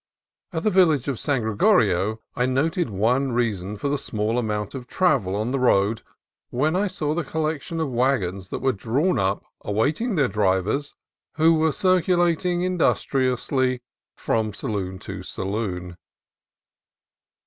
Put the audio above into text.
At the village of San Gregorio I noted one reason for the small amount of travel on the road when I saw the collection of wagons that were drawn up awaiting their drivers, who were circulating indus triously from saloon to saloon.